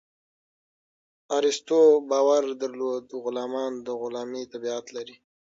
ارسطو باور درلود غلامان د غلامي طبیعت لري.